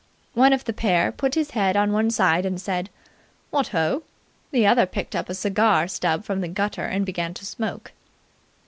One of the pair put his head on one side and said: "What ho!"; the other picked up a cigar stub from the gutter and began to smoke.